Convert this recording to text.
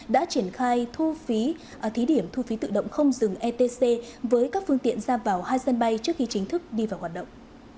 đã triển khai thí điểm thu phí tự động không dừng etc với các phương tiện ra vào hai sân bay trước khi chính thức đi vào hoạt động